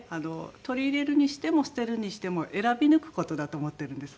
取り入れるにしても捨てるにしても選び抜く事だと思ってるんですね。